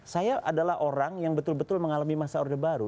saya adalah orang yang betul betul mengalami masa orde baru